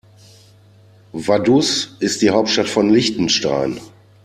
Vaduz ist die Hauptstadt von Liechtenstein.